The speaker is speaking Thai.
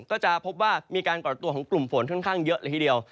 ก็จะพบว่ามีการก่อตัวของกลุ่มฝนค่อนข้างเยอะเลยทีเดียว